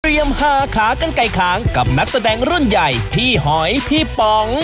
เตรียม๕ขาเก้าไก่คล้างกับนักแสดงรุ่นใหญ่พี่หอยพี่ปอง